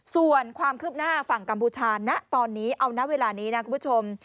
ส่วนความคืบหน้าฝั่งกัมพูชาณตอนนี้เอาณเวลานี้นะคุณผู้ชม